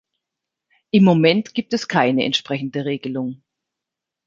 Im Moment gibt es keine entsprechende Regelung.